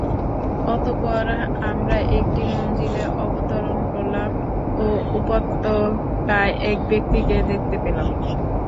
অতঃপর আমরা একটি মনযিলে অবতরণ করলাম ও উপত্যকায় এক ব্যক্তিকে দেখতে পেলাম।